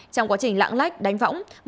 trong quá trình lạng lách đánh võng